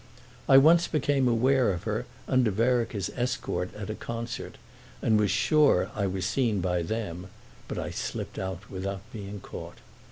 I once became aware of her under Vereker's escort at a concert, and was sure I was seen by them, but I slipped out without being caught.